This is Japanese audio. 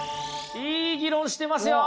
いい議論してますよ！